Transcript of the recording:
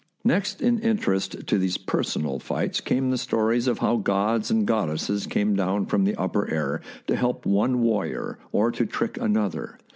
Next in interest to these personal fights came the stories of how gods and goddesses came down from the upper air to help one warrior or to trick another.